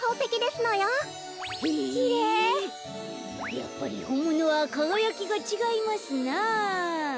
やっぱりほんものはかがやきがちがいますな。